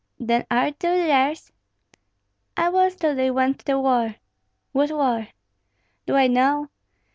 "Then art thou theirs?" "I was till they went to the war." "What war?" "Do I know?